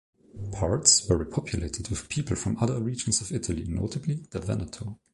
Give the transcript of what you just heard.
Parts were repopulated with people from other regions of Italy, notably the Veneto.